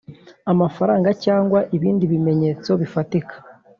amafaranga cyangwa ibindi bimenyetso bifatika